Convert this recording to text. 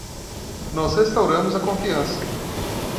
Nós restauramos a confiança